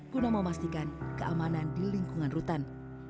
guna memastikan keamanan di lingkungan rutan